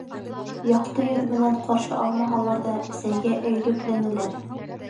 Яҡты йөҙ менән ҡаршы алмаһалар ҙа, сәйгә әйҙүкләнеләр.